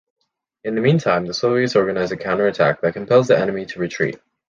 In the meantime, the Soviets organize a counterattack that compels the enemy to retreat.